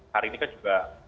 hari ini kan juga